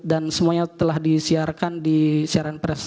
dan semuanya telah disiarkan di siaran pers